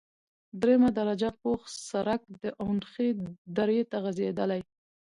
دریمه درجه پوخ سرک د اونخې درې ته غزیدلی،